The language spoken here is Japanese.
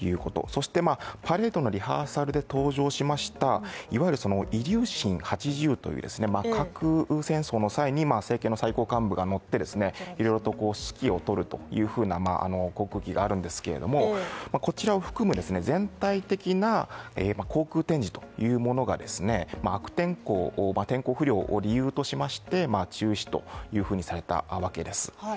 そして、パレードのリハーサルで登場しましたいわゆるイリューシン８０という核戦争の際に政権の最高幹部が乗っていろいろと指揮を執るというような航空機があるんですけどもこちらを含む全体的な航空展示というものが悪天候、天候不良を理由としまして中止とされたわけです。